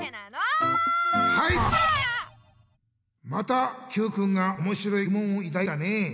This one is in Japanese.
またＱくんがおもしろいぎもんをいだいたね。